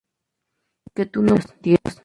que tú no partieras